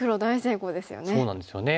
そうなんですよね。